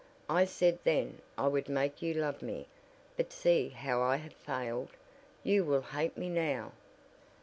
I said then I would make you love me, but see how I have failed. You will hate me now."